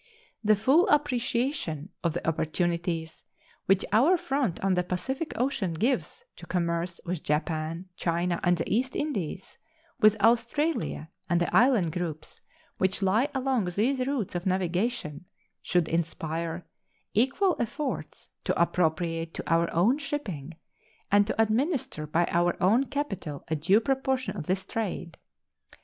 The full appreciation of the opportunities which our front on the Pacific Ocean gives to commerce with Japan, China, and the East Indies, with Australia and the island groups which lie along these routes of navigation, should inspire equal efforts to appropriate to our own shipping and to administer by our own capital a due proportion of this trade.